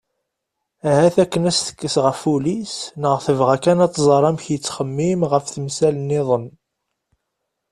Ahat akken ad as-tekkes ɣef wul-is neɣ tebɣa kan ad tẓer amek yettxemmim ɣef temsal-nniḍen.